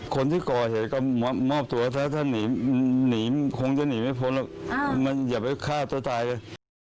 คนที่ก่อเหนือก็มอบตัวถ้าหนีคงจะหนีไม่พอแล้วมันอย่าไปฆ่าตัวตายละ